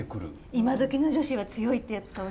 今どきの女子は強いってやつかも。